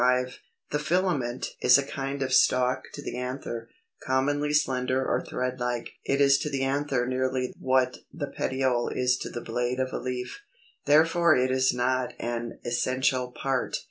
=The Filament= is a kind of stalk to the anther, commonly slender or thread like: it is to the anther nearly what the petiole is to the blade of a leaf. Therefore it is not an essential part.